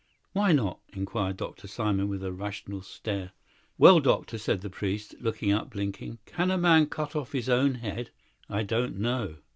"Why not?" inquired Dr. Simon, with a rational stare. "Well, doctor," said the priest, looking up blinking, "can a man cut off his own head? I don't know."